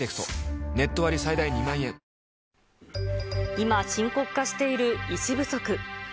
今、深刻化している医師不足。